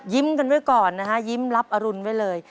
กันไว้ก่อนนะฮะยิ้มรับอรุณไว้เลย